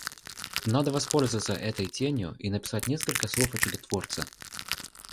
Надо воспользоваться этой тенью и написать несколько слов о чудотворце.